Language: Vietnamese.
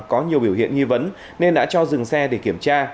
có nhiều biểu hiện nghi vấn nên đã cho dừng xe để kiểm tra